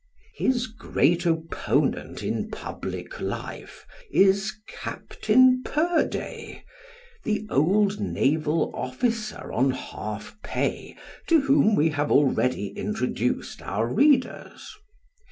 His great opponent in public life is Captain Purday, the old naval officer on half pay, to whom we have already introduced our readers.